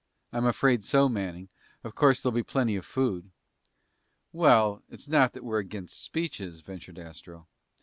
I'm afraid so, Manning. Of course there'll be plenty of food." "Well, it's not that we're against speeches," ventured Astro.